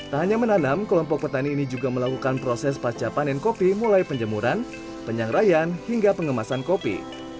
tak hanya menanam kelompok petani ini juga melakukan proses pacar panen kopi mulai penjemuran penyangrayan hingga pengemasan kopi